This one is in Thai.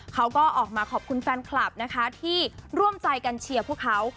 เขาก็ออกมาขอบคุณแฟนคลับนะคะที่ร่วมใจกันเชียร์พวกเขา